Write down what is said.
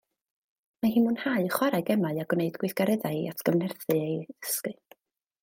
Mae hi'n mwynhau chwarae gemau a gwneud gweithgareddau i atgyfnerthu ei dysgu